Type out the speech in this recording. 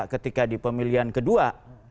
ketika di pemilihan kedua